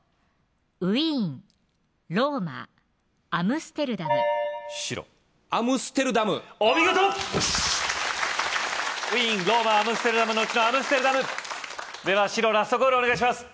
ウィーン・ローマ・アムステルダム白アムステルダムお見事ウィーン・ローマ・アムステルダムのうちのアムステルダムでは白ラストコールお願いします